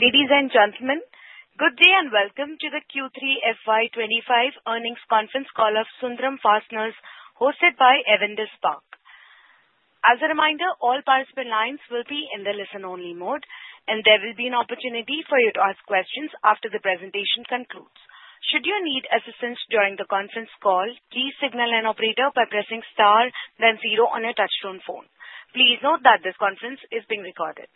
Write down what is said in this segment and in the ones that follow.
Ladies and gentlemen, good day and welcome to the Q3 FY25 Earnings Conference call of Sundram Fasteners, hosted by Avendus Spark. As a reminder, all participant lines will be in the listen-only mode, and there will be an opportunity for you to ask questions after the presentation concludes. Should you need assistance during the conference call, please signal an operator by pressing star, then zero on your touch-tone phone. Please note that this conference is being recorded.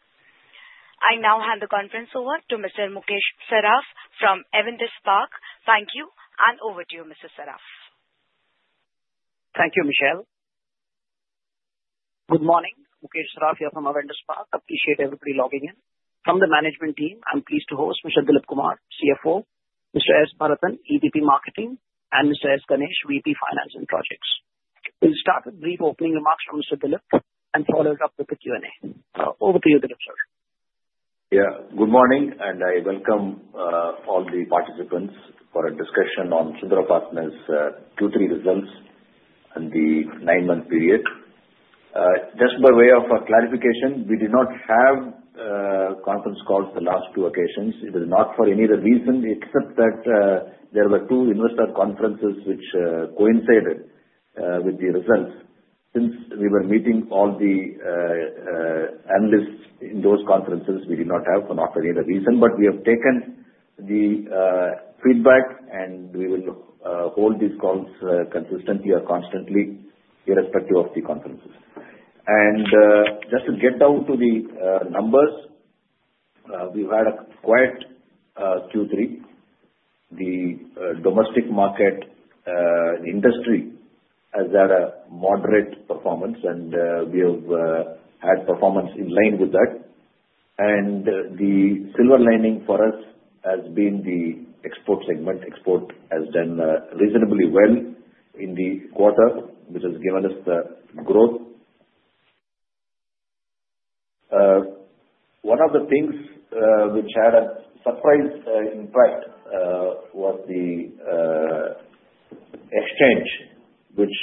I now hand the conference over to Mr. Mukesh Saraf from Avendus Spark. Thank you, and over to you, Mr. Saraf. Thank you, Michelle. Good morning. Mukesh Saraf here from Avendus Spark. Appreciate everybody logging in. From the management team, I'm pleased to host Mr. Dilip Kumar, CFO, Mr. S. Bharathan, ED, Marketing, and Mr. S. Ganesh, VP Finance and Projects. We'll start with brief opening remarks from Mr. Dilip and follow it up with the Q&A. Over to you, Dilip, sir. Yeah. Good morning, and I welcome all the participants for a discussion on Sundram Fasteners' Q3 results and the nine-month period. Just by way of clarification, we did not have conference calls the last two occasions. It is not for any other reason except that there were two investor conferences which coincided with the results. Since we were meeting all the analysts in those conferences, we did not have for any other reason, but we have taken the feedback, and we will hold these calls consistently or constantly irrespective of the conferences. Just to get down to the numbers, we've had a quiet Q3. The domestic market industry has had a moderate performance, and we have had performance in line with that. The silver lining for us has been the export segment. Export has done reasonably well in the quarter, which has given us the growth. One of the things which had a surprise impact was the exchange, which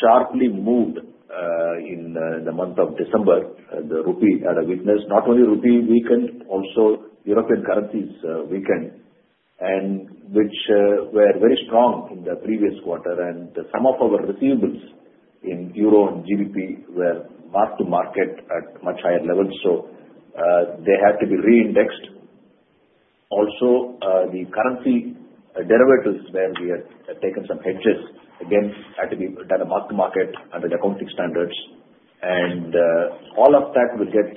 sharply moved in the month of December. The rupee had a weakness. Not only rupee weakened, also European currencies weakened, which were very strong in the previous quarter, and some of our receivables in euro and GBP were marked to market at much higher levels, so they had to be reindexed. Also, the currency derivatives where we had taken some hedges against had to be marked to market under the accounting standards, and all of that will get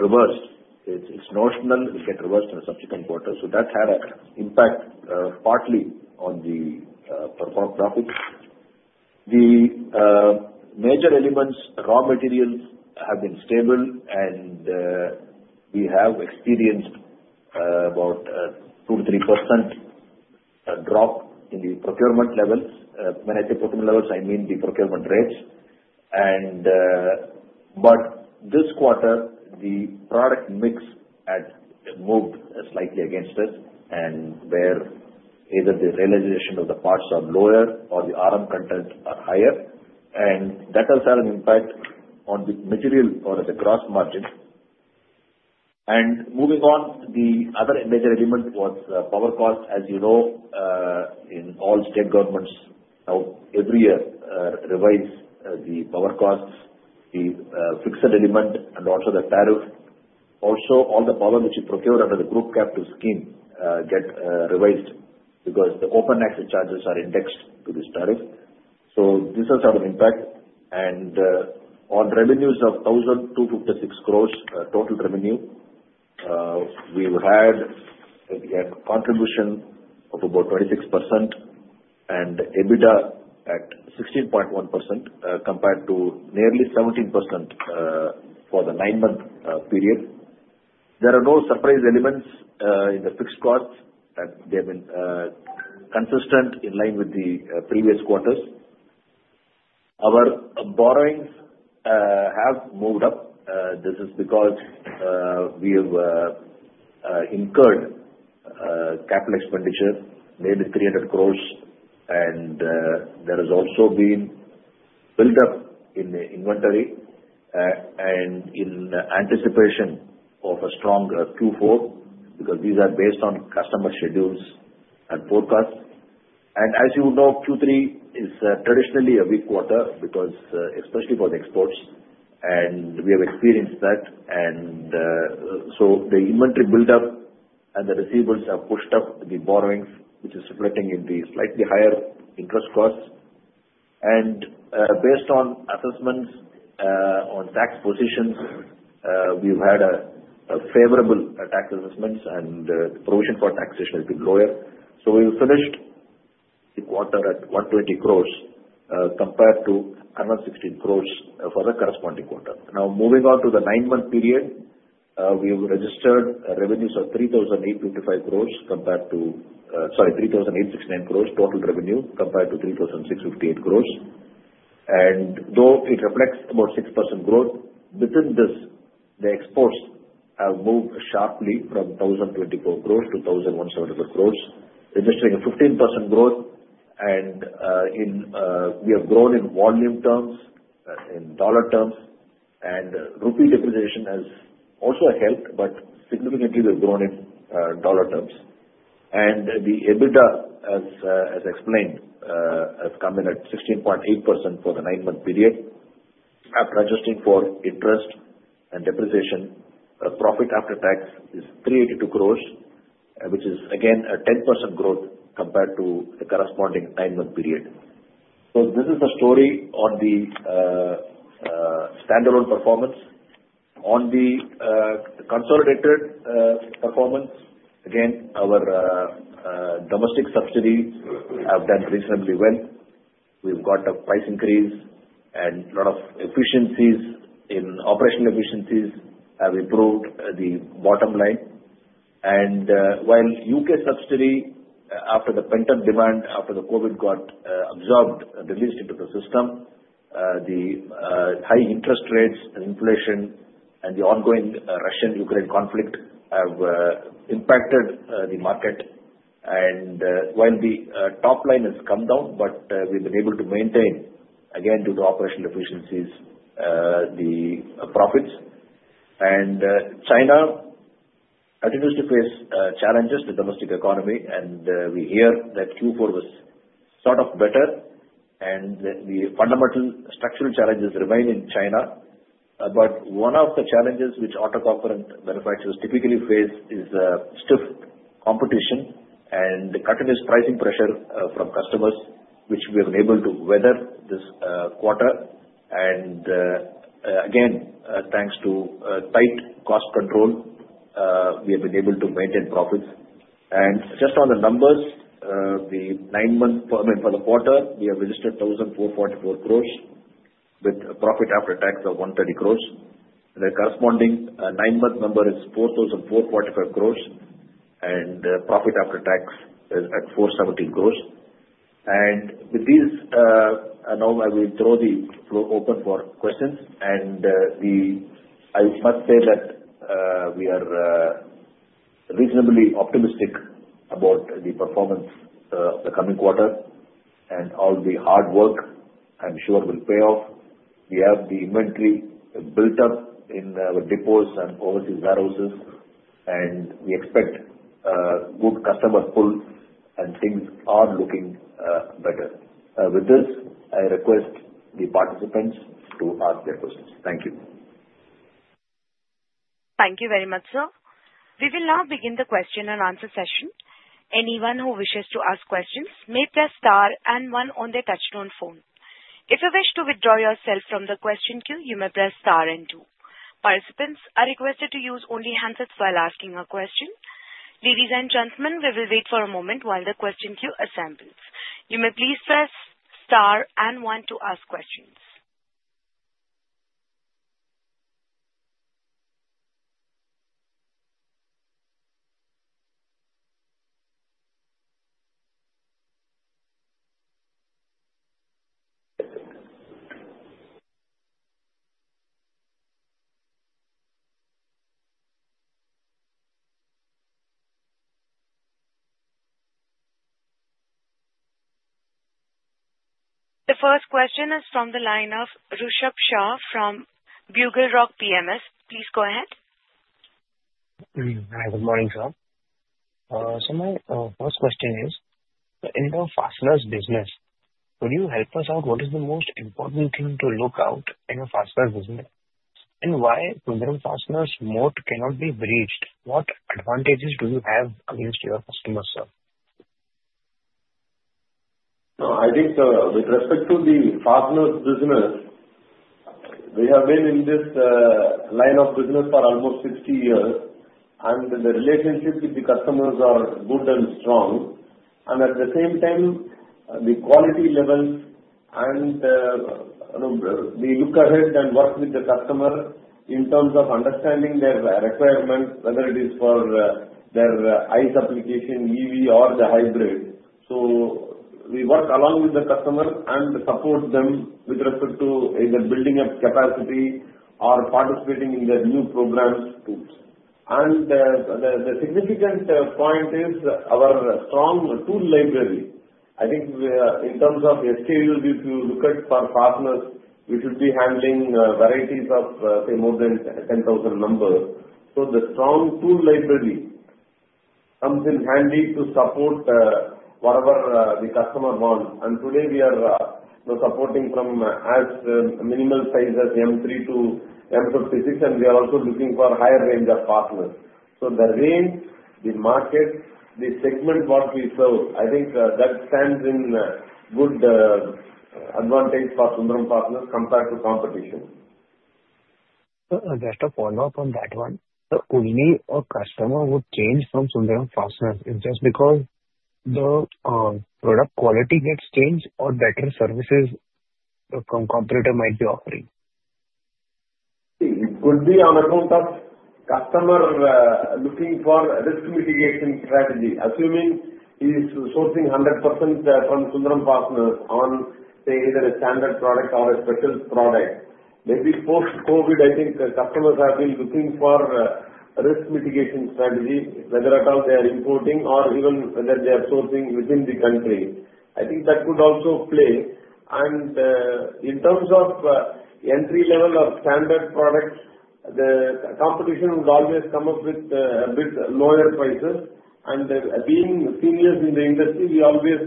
reversed. It's notional, it will get reversed in the subsequent quarter, so that had an impact partly on the profits. The major elements, raw materials have been stable, and we have experienced about a 2%-3% drop in the procurement levels. When I say procurement levels, I mean the procurement rates. But this quarter, the product mix had moved slightly against us and where either the realization of the parts are lower or the RM content are higher. And that has had an impact on the material or the gross margin. And moving on, the other major element was power cost. As you know, all state governments now every year revise the power costs, the fixed element, and also the tariff. Also, all the power which is procured under the group captive scheme gets revised because the open access charges are indexed to this tariff. So this has had an impact. And on revenues of 1,256 crores, total revenue, we've had a contribution of about 26% and EBITDA at 16.1% compared to nearly 17% for the nine-month period. There are no surprise elements in the fixed costs. They have been consistent in line with the previous quarters. Our borrowings have moved up. This is because we have incurred capital expenditure nearly 300 crores, and there has also been build-up in the inventory and in anticipation of a strong Q4 because these are based on customer schedules and forecasts. And as you know, Q3 is traditionally a weak quarter because especially for the exports, and we have experienced that. And so the inventory build-up and the receivables have pushed up the borrowings, which is reflecting in the slightly higher interest costs. And based on assessments on tax positions, we've had favorable tax assessments, and the provision for taxation has been lower. So we've finished the quarter at 120 crores compared to 116 crores for the corresponding quarter. Now, moving on to the nine-month period, we have registered revenues of 3,855 crores compared to, sorry, 3,869 crores total revenue compared to 3,658 crores. And though it reflects about 6% growth, within this, the exports have moved sharply from 1,024 crores to 1,174 crores, registering a 15% growth. And we have grown in volume terms, in dollar terms, and rupee depreciation has also helped, but significantly, we've grown in dollar terms. And the EBITDA, as explained, has come in at 16.8% for the nine-month period. After adjusting for interest and depreciation, the profit after tax is 382 crores, which is again a 10% growth compared to the corresponding nine-month period. So this is the story on the standalone performance. On the consolidated performance, again, our domestic subsidiaries have done reasonably well. We've got a price increase, and a lot of efficiencies in operational efficiencies have improved the bottom line. While the U.K. subsidiary, after the pent-up demand after the COVID got absorbed, released into the system, the high interest rates and inflation and the ongoing Russia-Ukraine conflict have impacted the market. While the top line has come down, but we've been able to maintain, again, due to operational efficiencies, the profits. China continues to face challenges, the domestic economy, and we hear that Q4 was sort of better, and the fundamental structural challenges remain in China. One of the challenges which automotive component manufacturers typically face is stiff competition and continuous pricing pressure from customers, which we have been able to weather this quarter. Again, thanks to tight cost control, we have been able to maintain profits. Just on the numbers, for the nine months, for the quarter, we have registered 1,444 crores with a profit after tax of 130 crores. The corresponding nine-month number is 4,445 crores, and profit after tax is at 417 crores. And with these, now I will throw the floor open for questions. And I must say that we are reasonably optimistic about the performance of the coming quarter, and all the hard work, I'm sure, will pay off. We have the inventory built up in our depots and overseas warehouses, and we expect good customer pull, and things are looking better. With this, I request the participants to ask their questions. Thank you. Thank you very much, sir. We will now begin the question and answer session. Anyone who wishes to ask questions may press star and one on their touch-tone phone. If you wish to withdraw yourself from the question queue, you may press star and two. Participants are requested to use only handsets while asking a question. Ladies and gentlemen, we will wait for a moment while the question queue assembles. You may please press star and one to ask questions. The first question is from the line of Rishabh Shah from Bugle Rock PMS. Please go ahead. Hi, good morning, sir. So my first question is, in your fasteners business, could you help us out? What is the most important thing to look out in your fasteners business? And why Sundram Fasteners' moat cannot be breached? What advantages do you have against your customers, sir? I think with respect to the fasteners business, we have been in this line of business for almost 60 years, and the relationship with the customers are good and strong. And at the same time, the quality levels, and we look ahead and work with the customer in terms of understanding their requirements, whether it is for their ICE application, EV, or the hybrid. So we work along with the customers and support them with respect to either building up capacity or participating in their new programs. And the significant point is our strong tool library. I think in terms of SKUs, if you look at our fasteners, we should be handling varieties of, say, more than 10,000 numbers. So the strong tool library comes in handy to support whatever the customer wants. Today, we are supporting from as minimal size as M3 to M56, and we are also looking for a higher range of fasteners. The range, the market, the segment what we sell, I think that stands in good advantage for Sundram Fasteners compared to competition. Just to follow up on that one, so only a customer would change from Sundram Fasteners just because the product quality gets changed or better services the competitor might be offering? It could be on account of customer looking for risk mitigation strategy. Assuming he's sourcing 100% from Sundram Fasteners on, say, either a standard product or a special product. Maybe post-COVID, I think customers have been looking for a risk mitigation strategy, whether at all they are importing or even whether they are sourcing within the country. I think that could also play. And in terms of entry-level or standard products, the competition would always come up with a bit lower prices. And being seniors in the industry, we always,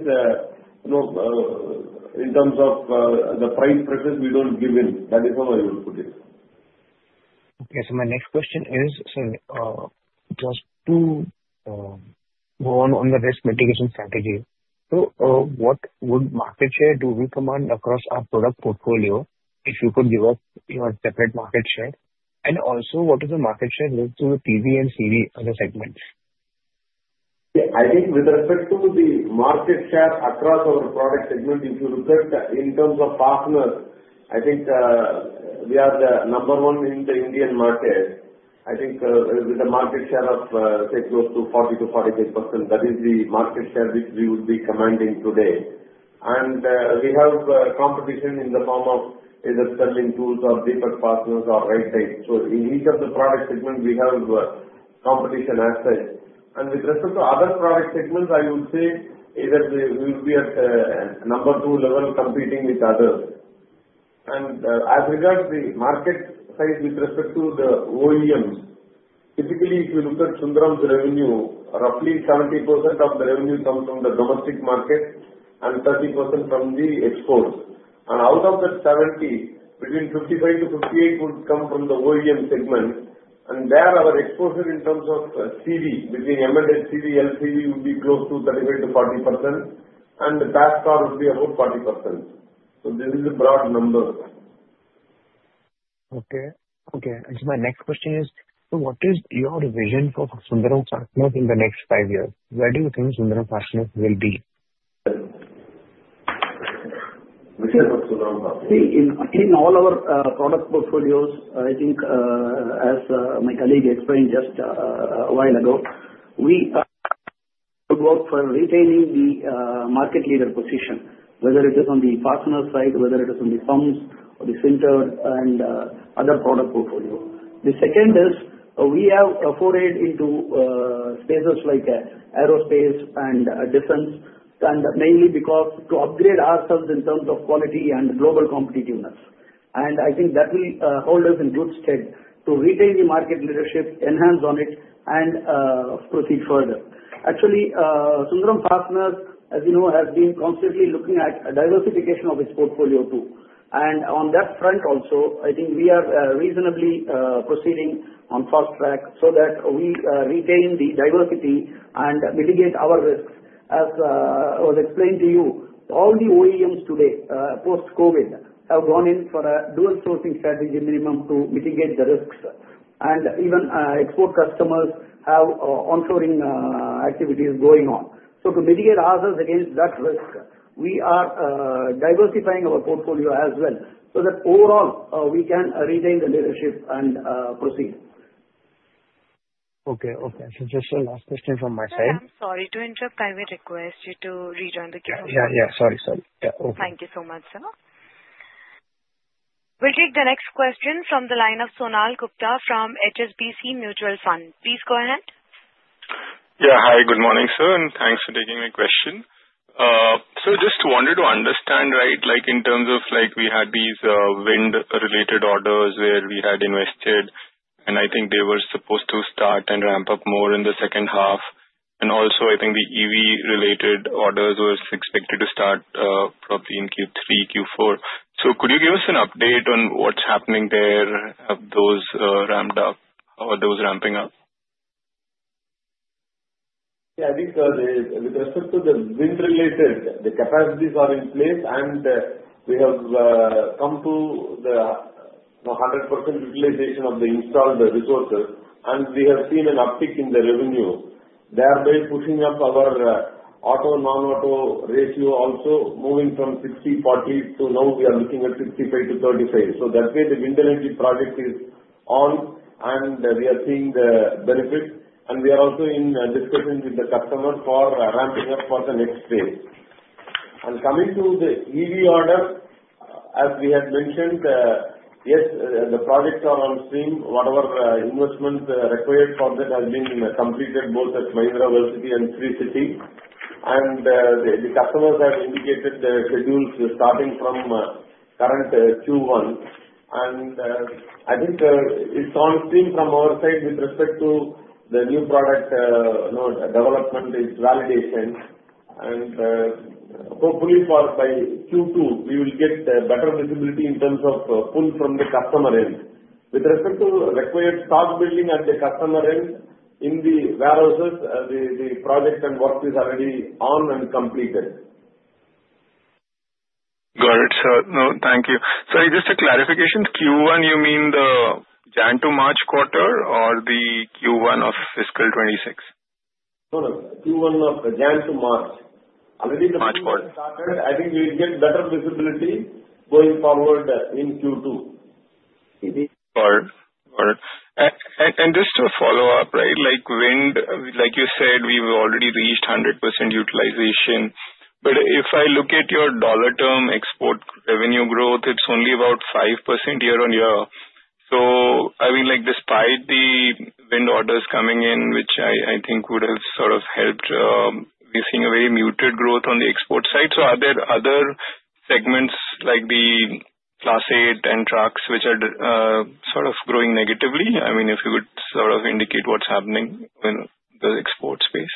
in terms of the price pressures, we don't give in. That is how I would put it. Okay. So my next question is, so just to go on the Risk Mitigation Strategy. So what would market share do we command across our product portfolio if you could give us your separate market share? And also, what is the market share linked to the TV and CV other segments? Yeah. I think with respect to the market share across our product segment, if you look at in terms of fasteners, I think we are the number one in the Indian market. I think with the market share of, say, close to 40%-45%, that is the market share which we would be commanding today. And we have competition in the form of either Sterling Tools or Peiner Fasteners or Right Tight. So in each of the product segments, we have competitors. And with respect to other product segments, I would say either we would be at number two level competing with others. And as regards the market size with respect to the OEMs, typically, if you look at Sundram's revenue, roughly 70% of the revenue comes from the domestic market and 30% from the exports. Out of that 70, between 55-58 would come from the OEM segment. There our exposure in terms of CV, between M&HCV, LCV would be close to 35%-40%, and the passenger car would be about 40%. This is the broad number. Okay. Okay. Actually, my next question is, so what is your vision for Sundram Fasteners in the next five years? Where do you think Sundram Fasteners will be? In all our product portfolios, I think as my colleague explained just a while ago, we could work for retaining the market leader position, whether it is on the fastener side, whether it is on the pumps or the sintered and other product portfolio. The second is we have forayed into spaces like aerospace and defense, and mainly because to upgrade ourselves in terms of quality and global competitiveness. And I think that will hold us in good stead to retain the market leadership, enhance on it, and proceed further. Actually, Sundram Fasteners, as you know, has been constantly looking at diversification of its portfolio too. And on that front also, I think we are reasonably proceeding on fast track so that we retain the diversity and mitigate our risks. As I was explaining to you, all the OEMs today post-COVID have gone in for a dual sourcing strategy, minimum, to mitigate the risks. And even export customers have onshoring activities going on. So to mitigate ourselves against that risk, we are diversifying our portfolio as well so that overall we can retain the leadership and proceed. Okay. Okay. So just a last question from my side. I'm sorry to interrupt. I will request you to rejoin the queue. Yeah. Sorry. Yeah. Okay. Thank you so much, sir. We'll take the next question from the line of Sonal Gupta from HSBC Mutual Fund. Please go ahead. Yeah. Hi, good morning, sir. And thanks for taking my question. So just wanted to understand, right, in terms of we had these wind-related orders where we had invested, and I think they were supposed to start and ramp up more in the second half. And also, I think the EV-related orders were expected to start probably in Q3, Q4. So could you give us an update on what's happening there, how those ramped up, how are those ramping up? Yeah. I think with respect to the wind-related, the capacities are in place, and we have come to the 100% utilization of the installed resources, and we have seen an uptick in the revenue. They are very pushing up our auto/non-auto ratio also, moving from 60/40 to now we are looking at 65-35. So that way, the wind energy project is on, and we are seeing the benefits. And we are also in discussion with the customer for ramping up for the next phase. And coming to the EV order, as we had mentioned, yes, the projects are on stream. Whatever investment required for that has been completed both at Mahindra World City and Sri City. And the customers have indicated their schedules starting from current Q1. And I think it's on stream from our side with respect to the new product development, its validation. Hopefully, by Q2, we will get better visibility in terms of pull from the customer end. With respect to required stock building at the customer end in the warehouses, the project and work is already on and completed. Got it, sir. No, thank you. Sorry, just a clarification. Q1, you mean the January to March quarter or the Q1 of fiscal 2026? No, no. Q1 of the January to March. Already the quarter has started. I think we'll get better visibility going forward in Q2. Got it. Got it. And just to follow up, right, like you said, we've already reached 100% utilization. But if I look at your dollar-term export revenue growth, it's only about 5% year-on-year. So I mean, despite the wind orders coming in, which I think would have sort of helped, we're seeing a very muted growth on the export side. So are there other segments like the Class 8 trucks which are sort of growing negatively? I mean, if you could sort of indicate what's happening in the export space.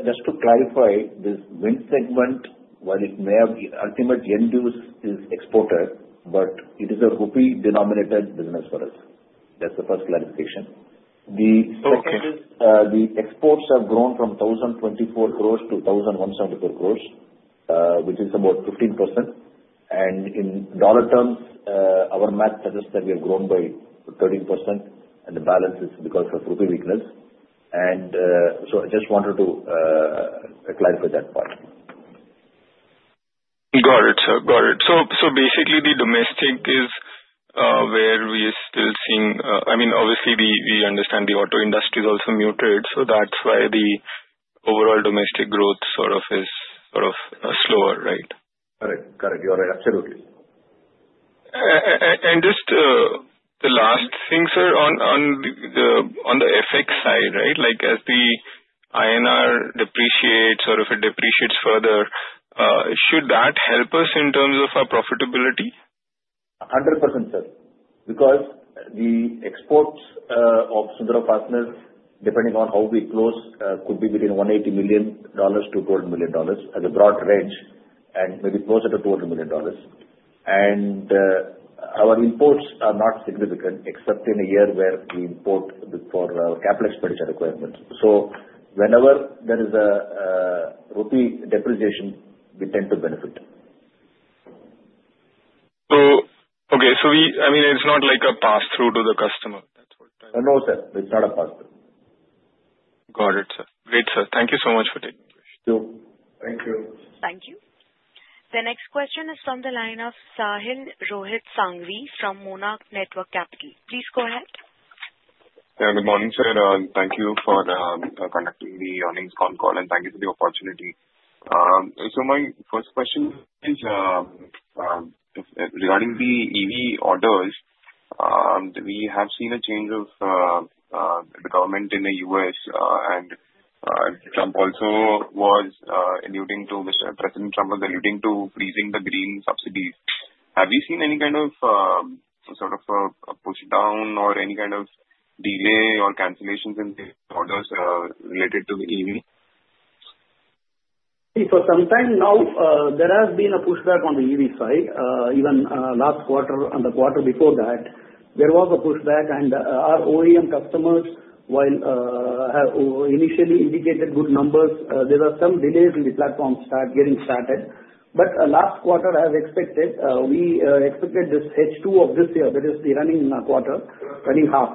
Just to clarify, this wind segment, while it may have ultimate end use is exporter, but it is a rupee denominated business for us. That's the first clarification. The exports have grown from 1,024 crores to 1,174 crores, which is about 15%. And in dollar terms, our math suggests that we have grown by 13%, and the balance is because of rupee weakness. And so I just wanted to clarify that part. Got it, sir. Got it. So basically, the domestic is where we are still seeing, I mean, obviously, we understand the auto industry is also muted. So that's why the overall domestic growth sort of is sort of slower, right? Correct. Correct. You're right. Absolutely. Just the last thing, sir, on the FX side, right? As the INR depreciates or if it depreciates further, should that help us in terms of our profitability? 100%, sir. Because the exports of Sundram Fasteners, depending on how we close, could be between $180 million to $200 million as a broad range and maybe closer to $200 million. And our imports are not significant except in a year where we import for capital expenditure requirements. So whenever there is a rupee depreciation, we tend to benefit. Okay, so I mean, it's not like a pass-through to the customer. That's what I mean. No, sir. It's not a pass-through. Got it, sir. Great, sir. Thank you so much for taking the question. Thank you. Thank you. The next question is from the line of Sahil Rohit Sanghvi from Monarch Networth Capital. Please go ahead. Yeah. Good morning, sir. Thank you for conducting the earnings phone call, and thank you for the opportunity. So my first question is regarding the EV orders. We have seen a change of the government in the U.S., and Trump also was alluding to Mr. President Trump was alluding to freezing the green subsidies. Have you seen any kind of sort of a push down or any kind of delay or cancellations in the orders related to the EV? So, sometime now, there has been a pushback on the EV side. Even last quarter and the quarter before that, there was a pushback. And our OEM customers, while initially indicated good numbers, there were some delays in the platforms getting started. But last quarter, as expected, we expected this H2 of this year, that is the running quarter, running half,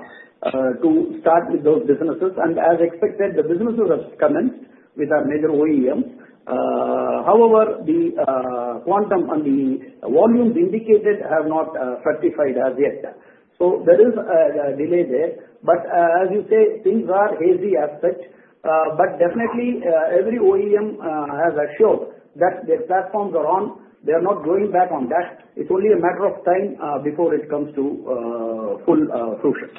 to start with those businesses. And as expected, the businesses have come in with our major OEMs. However, the quantum and the volumes indicated have not certified as yet. So there is a delay there. But as you say, things are hazy as such. But definitely, every OEM has assured that their platforms are on. They are not going back on that. It's only a matter of time before it comes to full fruition.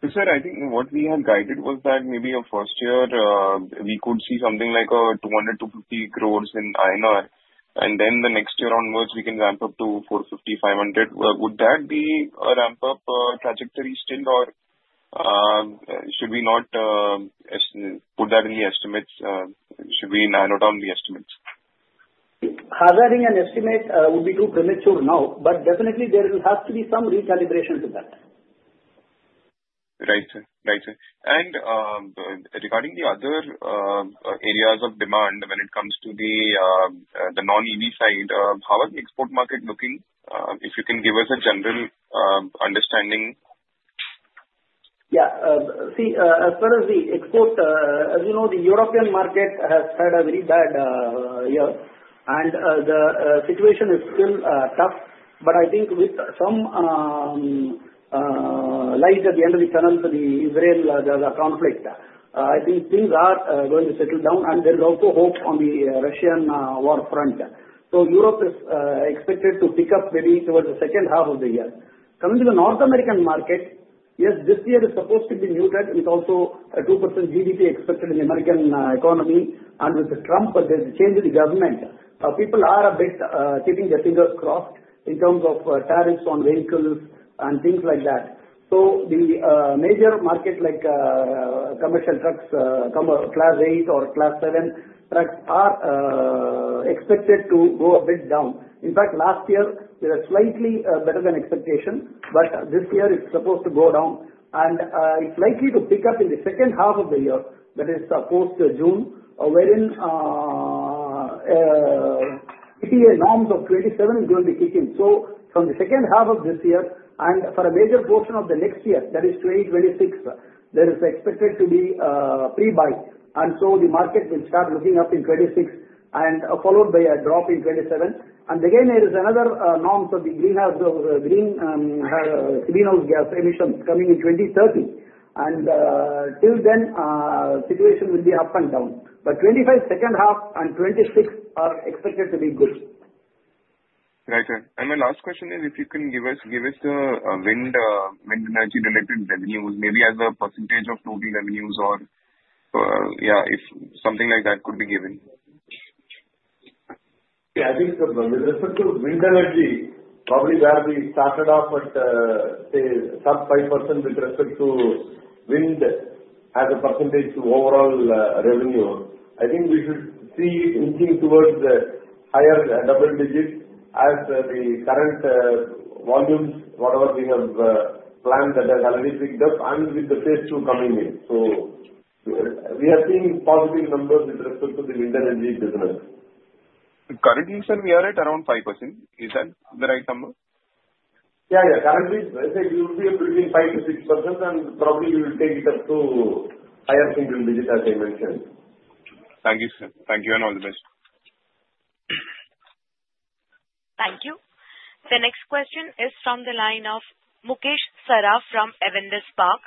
Sir, I think what we had guided was that maybe a first year, we could see something like 200-250 crores INR. Then the next year onwards, we can ramp up to 450-500. Would that be a ramp-up trajectory still, or should we not put that in the estimates? Should we narrow down the estimates? Hazarding an estimate would be too premature now. But definitely, there will have to be some recalibration to that. Right. Right. And regarding the other areas of demand when it comes to the non-EV side, how is the export market looking? If you can give us a general understanding. Yeah. See, as far as the export, as you know, the European market has had a very bad year, and the situation is still tough, but I think with some light at the end of the tunnel to the Israeli conflict, I think things are going to settle down, and there is also hope on the Russian war front, so Europe is expected to pick up maybe towards the second half of the year. Coming to the North American market, yes, this year is supposed to be muted with also a 2% GDP expected in the American economy, and with Trump, there's a change in the government. People are a bit keeping their fingers crossed in terms of tariffs on vehicles and things like that. So the major market like commercial trucks, Class 8 or Class 7 trucks, are expected to go a bit down. In fact, last year, they were slightly better than expectation, but this year it's supposed to go down. And it's likely to pick up in the second half of the year, that is post-June, wherein EPA norms of 2027 is going to be kicking. So from the second half of this year and for a major portion of the next year, that is 2026, there is expected to be a pre-buy. And so the market will start looking up in 2026 and followed by a drop in 2027. And again, there is another norm for the greenhouse gas emissions coming in 2030. And till then, the situation will be up and down. But 2025, second half, and 2026 are expected to be good. Right. And my last question is, if you can give us the wind energy-related revenues, maybe as a percentage of total revenues or, yeah, if something like that could be given. Yeah. I think with respect to wind energy, probably where we started off at, say, sub-5% with respect to wind as a percentage to overall revenue, I think we should see it inching towards the higher double digits as the current volumes, whatever we have planned, that has already picked up and with the phase two coming in. So we are seeing positive numbers with respect to the wind energy business. Correctly, sir, we are at around 5%. Is that the right number? Yeah. Currently, I think we will be between 5%-6%, and probably we will take it up to higher single digit, as I mentioned. Thank you, sir. Thank you, and all the best. Thank you. The next question is from the line of Mukesh Saraf from Avendus Spark.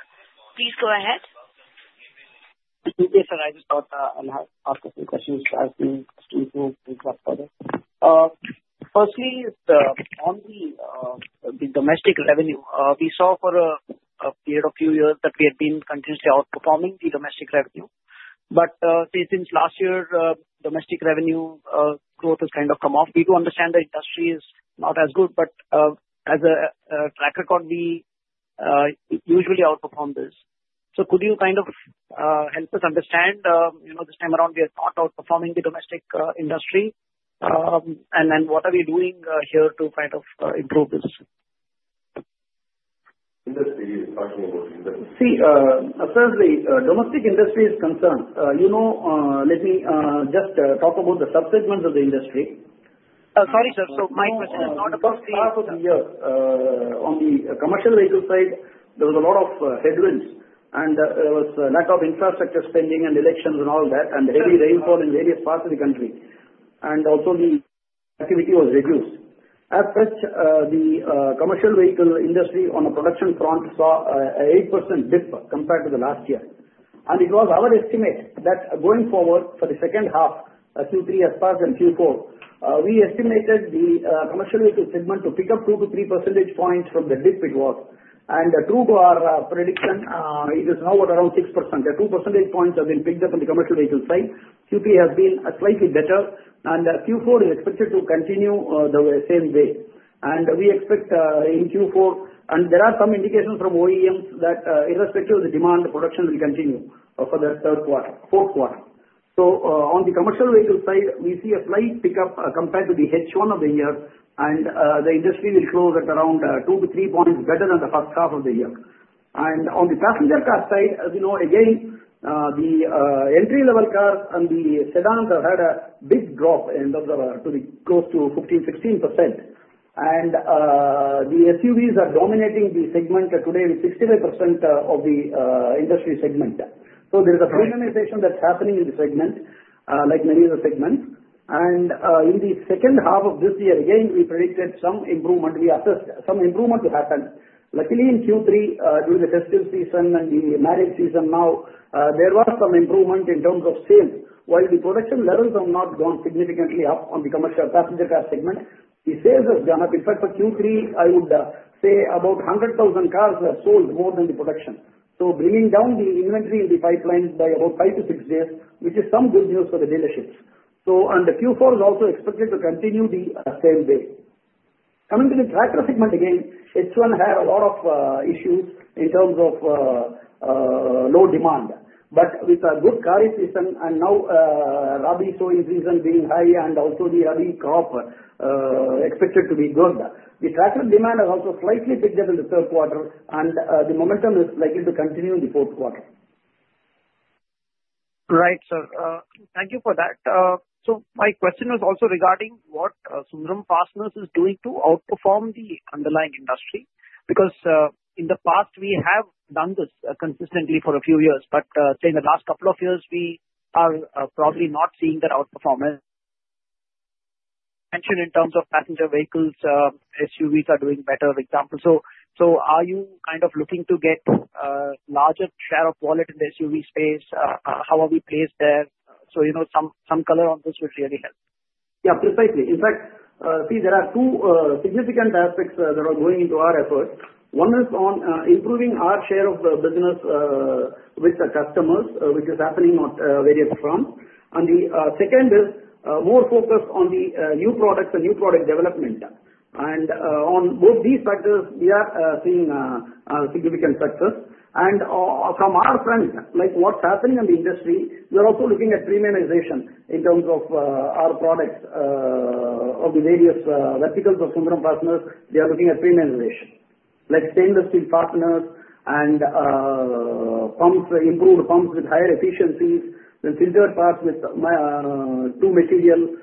Please go ahead. Yes, sir. I just want to ask a few questions as we move things up further. Firstly, on the domestic revenue, we saw for a period of a few years that we had been continuously outperforming the domestic revenue. But since last year, domestic revenue growth has kind of come off. We do understand the industry is not as good, but as a track record, we usually outperform this. So could you kind of help us understand this time around we are not outperforming the domestic industry? And then what are we doing here to kind of improve this? Industry is talking about industry. See, firstly, domestic industry is concerned. Let me just talk about the subsegments of the industry. Sorry, sir, so my question is not about the. The first half of the year, on the commercial vehicle side, there was a lot of headwinds, and there was a lack of infrastructure spending and elections and all that, and heavy rainfall in various parts of the country. And also, the activity was reduced. As such, the commercial vehicle industry on a production front saw an 8% dip compared to the last year. And it was our estimate that going forward for the second half, Q3 as far as in Q4, we estimated the commercial vehicle segment to pick up two to three percentage points from the dip it was. And true to our prediction, it is now at around 6%. There are two percentage points have been picked up on the commercial vehicle side. Q3 has been slightly better, and Q4 is expected to continue the same way. We expect in Q4, and there are some indications from OEMs that irrespective of the demand, the production will continue for the third quarter, fourth quarter. So on the commercial vehicle side, we see a slight pickup compared to the H1 of the year, and the industry will close at around 2-3 points better than the first half of the year. On the passenger car side, as you know, again, the entry-level cars and the sedans have had a big drop in terms of close to 15-16%. The SUVs are dominating the segment today with 65% of the industry segment. There is a premiumization that's happening in the segment, like many other segments. In the second half of this year, again, we predicted some improvement. We assessed some improvement to happen. Luckily, in Q3, during the festive season and the marriage season now, there was some improvement in terms of sales. While the production levels have not gone significantly up on the commercial passenger car segment, the sales have gone up. In fact, for Q3, I would say about 100,000 cars were sold more than the production. So bringing down the inventory in the pipeline by about 5-6 days, which is some good news for the dealerships. And the Q4 is also expected to continue the same way. Coming to the tractor segment again, H1 had a lot of issues in terms of low demand. With a good Kharif season, and now Rabi sowing season being high, and also the Rabi crop expected to be good, the tractor demand has also slightly picked up in the third quarter, and the momentum is likely to continue in the fourth quarter. Right, sir. Thank you for that. So my question was also regarding what Sundram Fasteners is doing to outperform the underlying industry. Because in the past, we have done this consistently for a few years. But say in the last couple of years, we are probably not seeing that outperformance. You mentioned in terms of passenger vehicles, SUVs are doing better, for example. So are you kind of looking to get a larger share of wallet in the SUV space? How are we placed there? So some color on this would really help. Yeah. Precisely. In fact, see, there are two significant aspects that are going into our efforts. One is on improving our share of the business with the customers, which is happening on various fronts, and the second is more focus on the new products and new product development, and on both these factors, we are seeing significant success, and from our front, like what's happening in the industry, we are also looking at premiumization in terms of our products of the various verticals of Sundram Fasteners. We are looking at premiumization, like stainless steel fasteners and improved pumps with higher efficiencies, with filter parts, with two materials,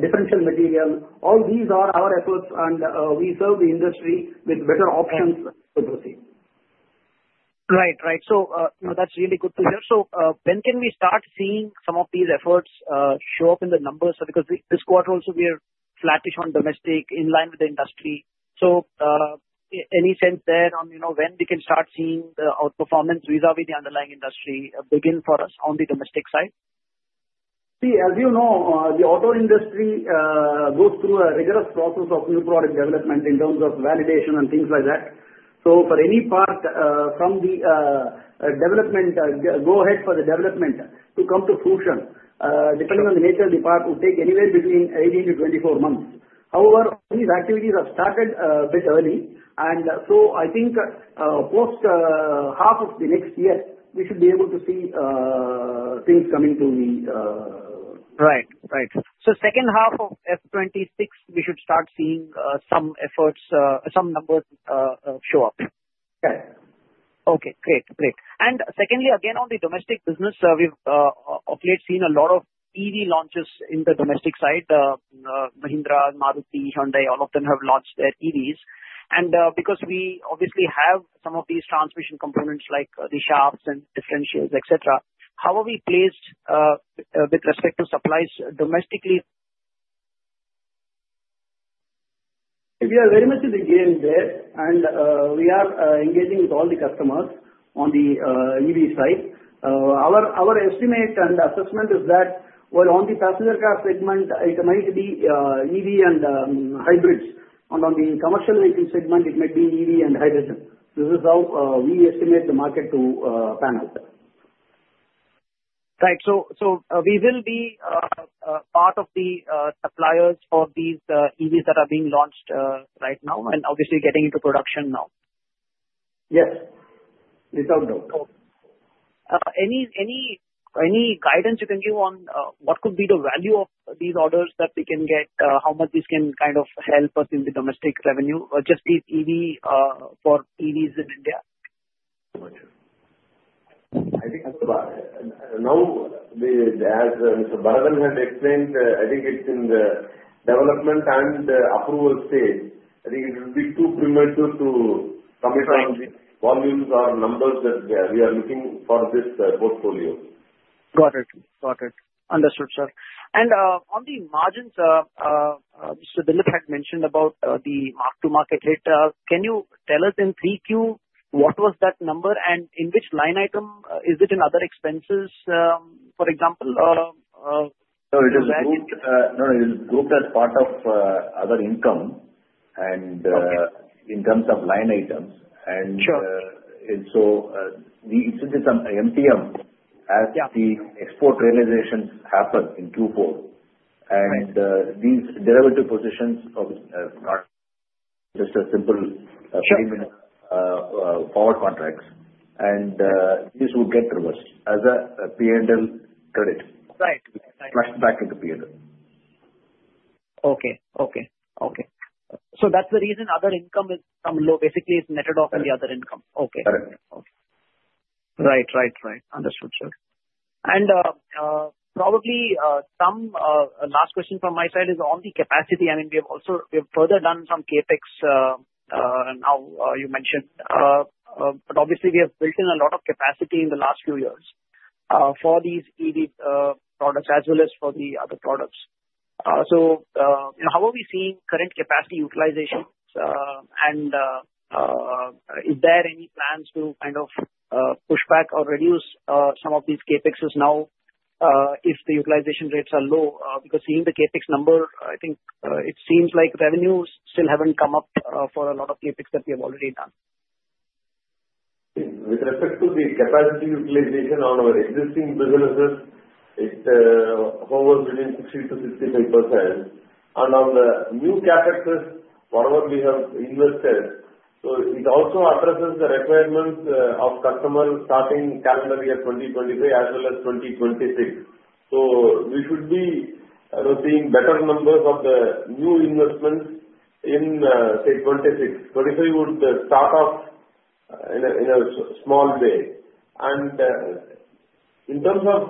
differential materials. All these are our efforts, and we serve the industry with better options to proceed. Right. Right. So that's really good to hear. So when can we start seeing some of these efforts show up in the numbers? Because this quarter also, we are flattish on domestic in line with the industry. So any sense there on when we can start seeing the outperformance vis-à-vis the underlying industry begin for us on the domestic side? See, as you know, the auto industry goes through a rigorous process of new product development in terms of validation and things like that. So for any part from the development, go ahead for the development to come to fruition, depending on the nature of the part, would take anywhere between 18-24 months. However, these activities have started a bit early, and so I think post-half of the next year, we should be able to see things coming to the. Right. Right. So second half of FY26, we should start seeing some efforts, some numbers show up. Yes. Okay. Great. Great. And secondly, again, on the domestic business, we've seen a lot of EV launches in the domestic side. Mahindra, Maruti, Hyundai, all of them have launched their EVs. And because we obviously have some of these transmission components like the shafts and differentials, etc., how are we placed with respect to supplies domestically? We are very much in the game there, and we are engaging with all the customers on the EV side. Our estimate and assessment is that, well, on the passenger car segment, it might be EV and hybrids. And on the commercial vehicle segment, it might be EV and hybrid. This is how we estimate the market to pan out. Right, so we will be part of the suppliers for these EVs that are being launched right now and obviously getting into production now? Yes. Without doubt. Any guidance you can give on what could be the value of these orders that we can get, how much this can kind of help us in the domestic revenue, or just these EVs for EVs in India? I think now, as Mr. Bharathan had explained, I think it's in the development and approval stage. I think it will be too premature to commit on the volumes or numbers that we are looking for this portfolio. Got it. Got it. Understood, sir. And on the margins, Mr. Dilip had mentioned about the Mark-to-Market hit. Can you tell us in 3Q what was that number, and in which line item? Is it in other expenses, for example? No, it is grouped as part of other income and in terms of line items. And so it's in the MTM as the export realizations happen in Q4. And these derivative positions are not just a simple payment of power contracts. And this would get reversed as a P&L credit, flashed back into P&L. Okay. So that's the reason other income is low. Basically, it's netted off in the other income. Okay. Correct. Right. Right. Right. Understood, sir. And probably some last question from my side is on the capacity. I mean, we have further done some CapEx now, you mentioned. But obviously, we have built in a lot of capacity in the last few years for these EV products as well as for the other products. So how are we seeing current capacity utilization? And is there any plans to kind of push back or reduce some of these CapExes now if the utilization rates are low? Because seeing the CapEx number, I think it seems like revenues still haven't come up for a lot of CapEx that we have already done. With respect to the capacity utilization on our existing businesses, it hovers within 60%-65%, and on the new CapExes, whatever we have invested, so it also addresses the requirements of customers starting calendar year 2023 as well as 2026, so we should be seeing better numbers of the new investments in, say, 2026. 2026 would start off in a small way, and in terms of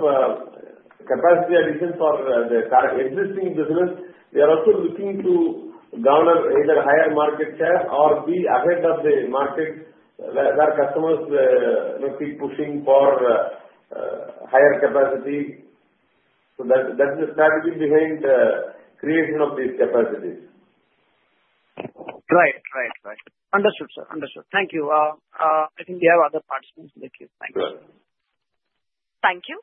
capacity addition for the existing business, we are also looking to garner either higher market share or be ahead of the market where customers keep pushing for higher capacity, so that's the strategy behind the creation of these capacities. Right. Understood, sir. Thank you. I think we have other participants in the queue. Thank you, sir. Thank you.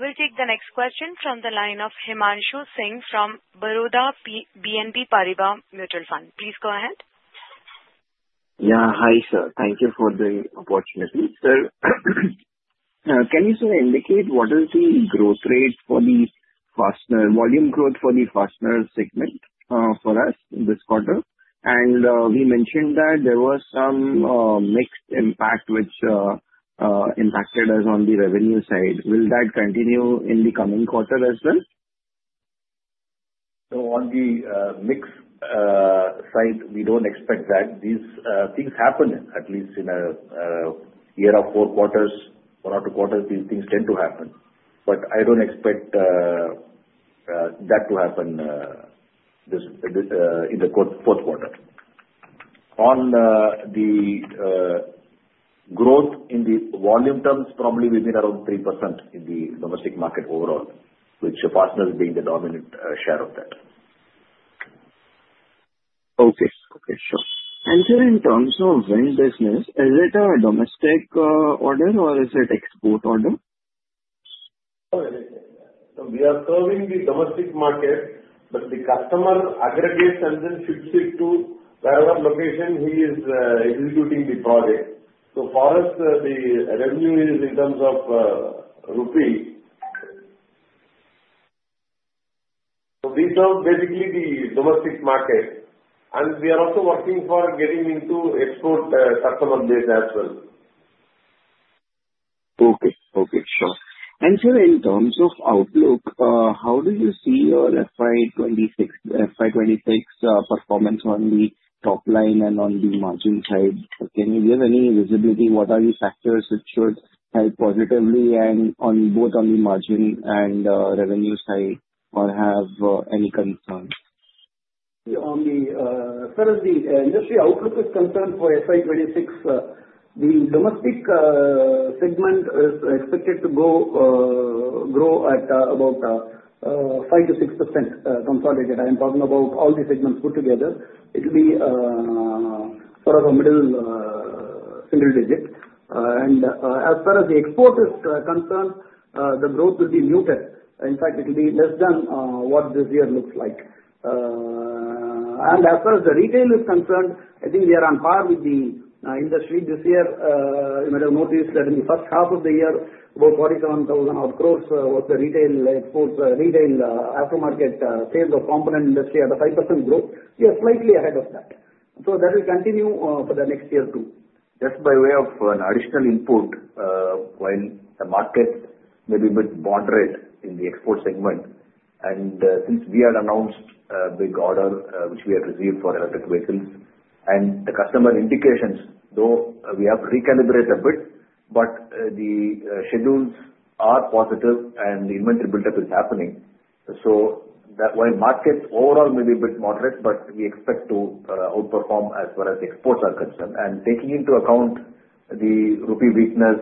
We'll take the next question from the line of Himanshu Singh from Baroda BNP Paribas Mutual Fund. Please go ahead. Yeah. Hi, sir. Thank you for the opportunity. Sir, can you sort of indicate what is the growth rate for the volume growth for the fastener segment for us this quarter? And we mentioned that there was some mixed impact, which impacted us on the revenue side. Will that continue in the coming quarter as well? So on the mixed side, we don't expect that. These things happen, at least in a year of four quarters or two quarters. These things tend to happen. But I don't expect that to happen in the fourth quarter. On the growth in the volume terms, probably we've been around 3% in the domestic market overall, which fasteners being the dominant share of that. Okay. Okay. Sure. Sir, in terms of vendors, is it a domestic order or is it export order? Oh, it is. We are serving the domestic market, but the customer aggregates and then ships it to wherever location he is executing the project. So for us, the revenue is in terms of rupees. So these are basically the domestic market. And we are also working for getting into export customer base as well. Okay. Okay. Sure. Sir, in terms of outlook, how do you see your FY26 performance on the top line and on the margin side? Do you have any visibility? What are the factors which should help positively both on the margin and revenue side or have any concerns? as the industry outlook is concerned for FY26, the domestic segment is expected to grow at about 5%-6% consolidated. I am talking about all the segments put together. It will be sort of a middle single digit, and as far as the export is concerned, the growth will be muted. In fact, it will be less than what this year looks like, and as far as the retail is concerned, I think we are on par with the industry this year. You might have noticed that in the first half of the year, about 47,000 overall growth was the retail exports, retail aftermarket sales of component industry at a 5% growth. We are slightly ahead of that, so that will continue for the next year too. Just by way of an additional input, while the market may be a bit moderate in the export segment, and since we had announced a big order which we had received for electric vehicles and the customer indications, though we have recalibrated a bit, but the schedules are positive and the inventory buildup is happening, so while markets overall may be a bit moderate, but we expect to outperform as far as exports are concerned, and taking into account the rupee weakness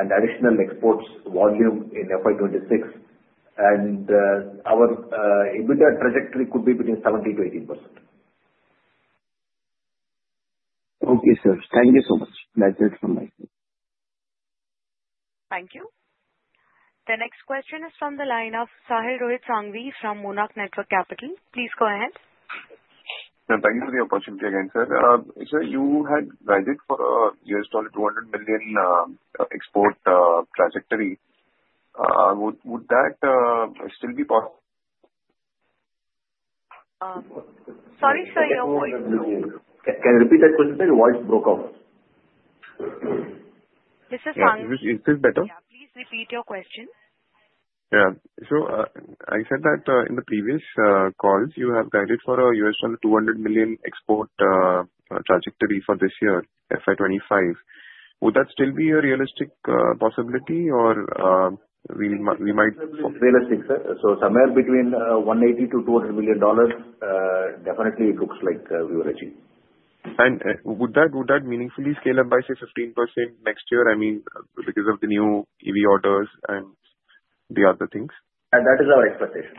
and additional exports volume in FY26, our EBITDA trajectory could be between 70%-80%. Okay, sir. Thank you so much. That's it from my side. Thank you. The next question is from the line of Sahil Rohit Sangvi from Monarch Networth Capital. Please go ahead. Thank you for the opportunity again, sir. Sir, you had guided for a $200 million export trajectory. Would that still be possible? Sorry, sir, your voice was. Can you repeat that question, sir? Your voice broke off. This is Sangvi. Is this better? Yeah. Please repeat your question. Yeah. So I said that in the previous calls, you have guided for a $200 million export trajectory for this year, FY25. Would that still be a realistic possibility, or we might? Realistic, sir? So somewhere between $180 million-$200 million, definitely it looks like we will achieve. Would that meaningfully scale up by, say, 15% next year? I mean, because of the new EV orders and the other things. That is our expectation.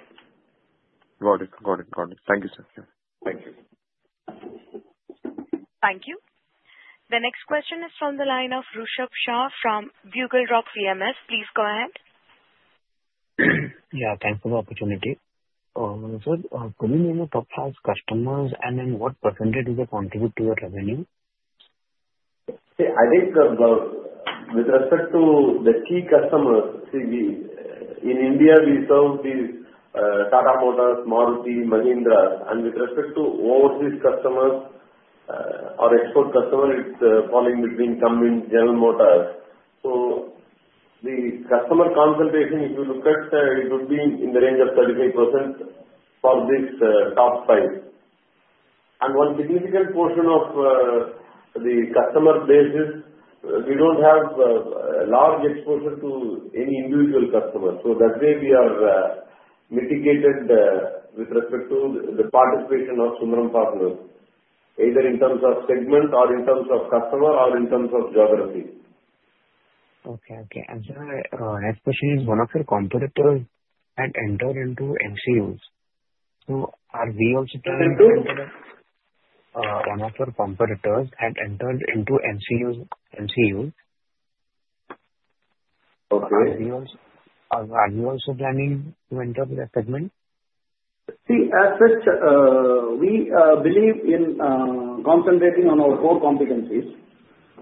Got it. Thank you, sir. Thank you. Thank you. The next question is from the line of Rishabh Shah from Bugle Rock Capital. Please go ahead. Yeah. Thanks for the opportunity. Sir, can you name your top five customers, and then what percentage do they contribute to your revenue? See, I think with respect to the key customers, see, in India, we serve these Tata Motors, Maruti, Mahindra. And with respect to overseas customers or export customers, it's from Cummins, General Motors. So the customer concentration, if you look at, it would be in the range of 35% for these top five. And one significant portion of the customer base is we don't have large exposure to any individual customers. So that way, we are mitigated with respect to the participation of Sundram Fasteners, either in terms of segment or in terms of customer or in terms of geography. Okay. Okay. And sir, next question is, one of your competitors had entered into MCUs. So are we also planning to enter? One of our competitors had entered into MCUs. Okay. Are we also planning to enter the segment? See, as such, we believe in concentrating on our core competencies,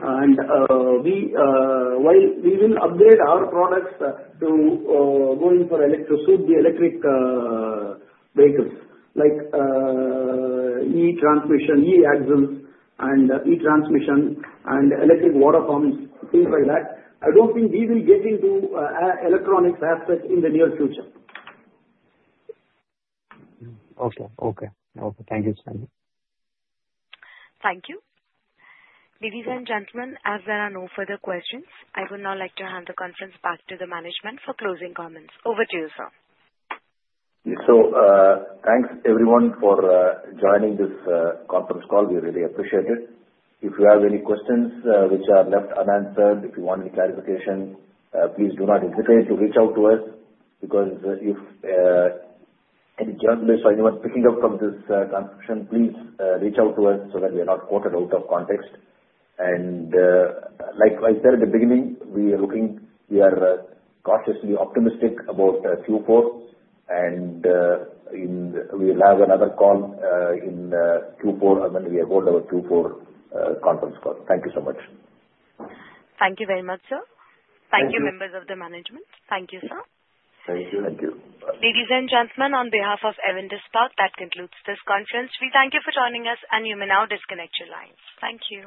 and while we will upgrade our products to going for electric suite, the electric vehicles like e-transmission, e-axles, and -transmission, and electric water pumps, things like that, I don't think we will get into electronics aspect in the near future. Okay. Okay. Okay. Thank you, sir. Thank you. Ladies and gentlemen, as there are no further questions, I would now like to hand the conference back to the management for closing comments. Over to you, sir. Thanks everyone for joining this conference call. We really appreciate it. If you have any questions which are left unanswered, if you want any clarification, please do not hesitate to reach out to us. Because if any journalist or anyone picking up from this conversation, please reach out to us so that we are not quoted out of context. Like I said at the beginning, we are cautiously optimistic about Q4. We will have another call in Q4 when we hold our Q4 conference call. Thank you so much. Thank you very much, sir. Thank you, members of the management. Thank you, sir. Thank you. Ladies and gentlemen, on behalf of Avendus Spark, that concludes this conference. We thank you for joining us, and you may now disconnect your lines. Thank you.